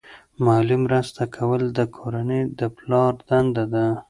مالی مرسته کول د کورنۍ د پلار دنده ده.